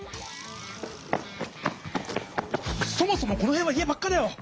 そもそもこのへんは家ばっかだよ！